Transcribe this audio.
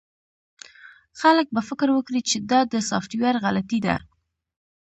خلک به فکر وکړي چې دا د سافټویر غلطي ده